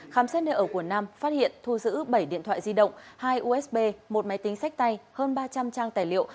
khám xét nơi ở quần nam phát hiện thu giữ bảy điện thoại di động hai usb một máy tính sách tay hơn ba trăm linh trang tài liệu